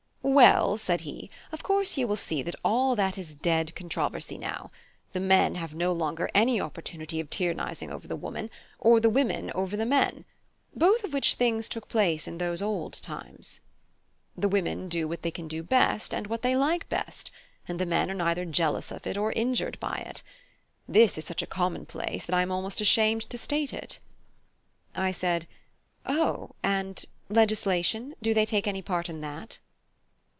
"Well," said he, "of course you will see that all that is a dead controversy now. The men have no longer any opportunity of tyrannising over the women, or the women over the men; both of which things took place in those old times. The women do what they can do best, and what they like best, and the men are neither jealous of it or injured by it. This is such a commonplace that I am almost ashamed to state it." I said, "O; and legislation? do they take any part in that?"